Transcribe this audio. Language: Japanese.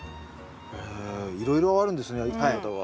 へえいろいろあるんですねやり方が。